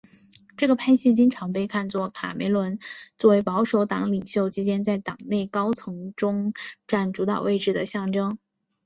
这个派系经常被看作在卡梅伦作为保守党领袖期间在党内高层中占主导地位的象征。